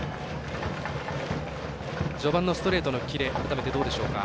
序盤のストレートのキレ改めてどうでしょうか？